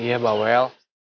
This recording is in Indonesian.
iya mbak wel